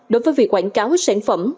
đối với việc quảng cáo sản phẩm